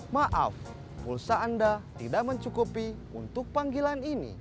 maaf pulsa anda tidak mencukupi untuk panggilan ini